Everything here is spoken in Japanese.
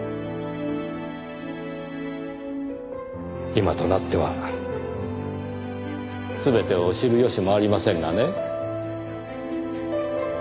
今となっては全てを知る由もありませんがね。